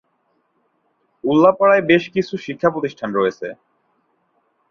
উল্লাপাড়ায় বেশকিছু শিক্ষা প্রতিষ্ঠান রয়েছে।